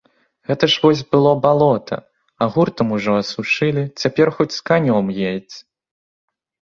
Гэта ж вось было балота, а гуртам ужо асушылі, цяпер хоць з канём едзь.